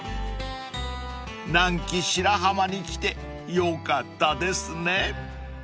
［南紀白浜に来てよかったですね］